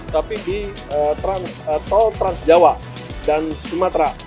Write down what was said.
tapi di tol trans jawa dan sumatera